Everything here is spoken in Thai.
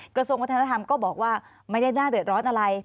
กระทรวงวัฒนธรรมก็บอกว่าไม่ได้น่าเดือดร้อนอะไร